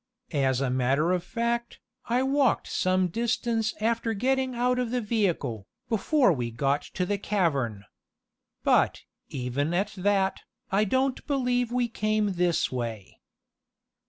As a matter of fact, I walked some distance after getting out of the vehicle, before we got to the cavern. But, even at that, I don't believe we came this way."